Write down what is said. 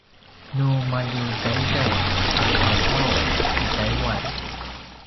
nu maljutaiday a caucau i taiwan